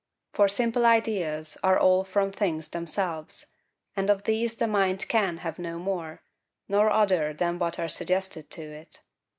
For simple ideas are all from things themselves, and of these the mind CAN have no more, nor other than what are suggested to it.